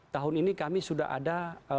tahun ini kami sudah ada